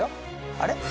あれ？